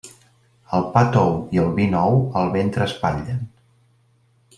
El pa tou i el vi nou el ventre espatllen.